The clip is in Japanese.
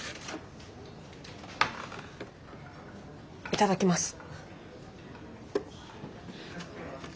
いただきます。